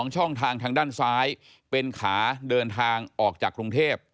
ช่องทางทางด้านซ้ายเป็นขาเดินทางออกจากกรุงเทพ